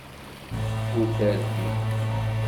Ur terfi.